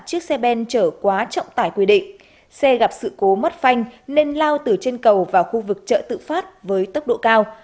chiếc xe ben chở quá trọng tải quy định xe gặp sự cố mất phanh nên lao từ trên cầu vào khu vực chợ tự phát với tốc độ cao